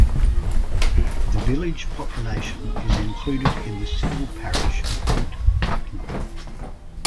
The village population is included in the civil parish of Ault Hucknall.